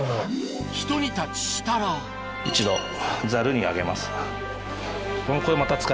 ひと煮立ちしたら一度ざるに上げます。